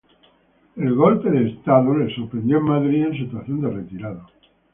El estallido de la Guerra Civil le sorprendió en Madrid en situación de retirado.